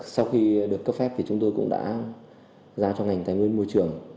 sau khi được cấp phép thì chúng tôi cũng đã ra trong ngành tài nguyên môi trường